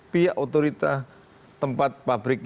pihak otoritas tempat pabrik